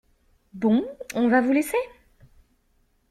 Bon, on va vous laisser...